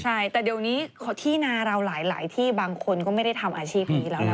ใช่แต่เดี๋ยวนี้ที่นาเราหลายที่บางคนก็ไม่ได้ทำอาชีพนี้แล้วนะ